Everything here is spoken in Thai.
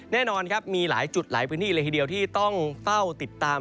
แน่นอนครับมีหลายจุดหลายพื้นที่เลยทีเดียวที่ต้องเฝ้าติดตาม